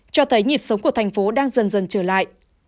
cho thấy nhịp sống của thành phố đang dần dần trở lại